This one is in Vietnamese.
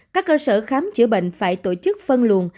các cơ sở khám chữa bệnh phải tổ chức phân luồn